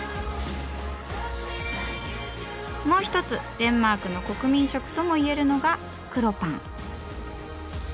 もう一つデンマークの国民食とも言えるのが黒パン。